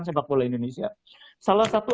sepak bola indonesia salah satu